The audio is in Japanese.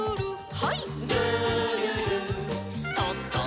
はい。